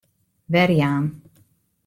Werjaan.